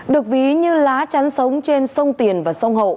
được ví như lá chắn sống trên sông tiền và sông hậu